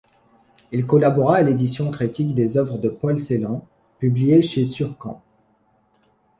Il collabora à l’édition critique des œuvres de Paul Celan, publiées chez Suhrkamp.